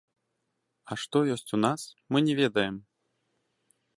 А што ёсць у нас, мы не ведаем.